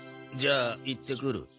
じゃあ行ってくる。